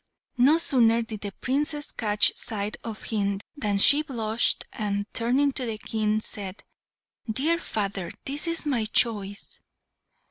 No sooner did the Princess catch sight of him than she blushed, and, turning to the King, said, "Dear father, this is my choice!"